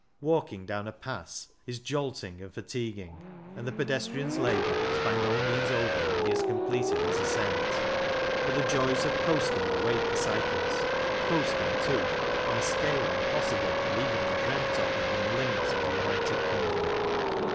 Walking down a pass is 6 CYCLING IN THE ALPS jolting and fatiguing, and the pedestrian's labour is by no means over when he has completed his ascent. But the joys of coasting await the cyclist, coasting, too, on a scale impossible and even undreamt of within the limits of the United Kingdom.